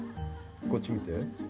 こっち見て。